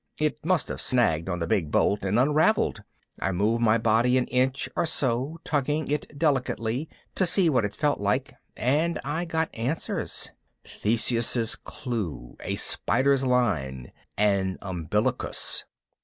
It must have snagged on the big bolt and unraveled. I moved my body an inch or so, tugging it delicately to see what it felt like and I got the answers: Theseus's clew, a spider's line, an umbilicus.